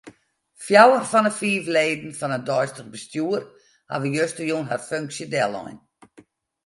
Fjouwer fan 'e fiif leden fan it deistich bestjoer hawwe justerjûn har funksje dellein.